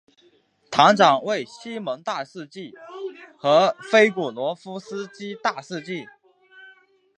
堂长为西蒙大司祭和菲古罗夫斯基大司祭。